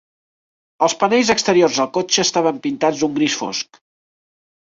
Els panells exteriors del cotxe estaven pintats d'un gris fosc.